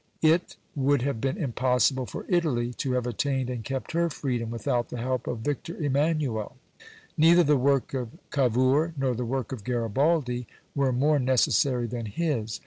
It would have been impossible for Italy to have attained and kept her freedom without the help of Victor Emmanuel: neither the work of Cavour nor the work of Garibaldi were more necessary than his.